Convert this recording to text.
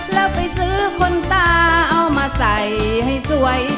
แล้วไปซื้อคนตาเอามาใส่ให้สวย